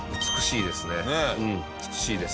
美しいです。